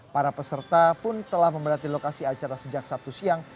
para peserta pun telah memadati lokasi acara sejak sabtu siang